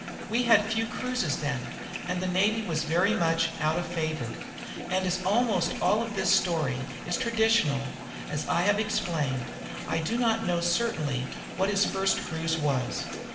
We had few long cruises then, and the navy was very much out of favor; and as almost all of this story is traditional, as I have explained, I do not know certainly what his first cruise was.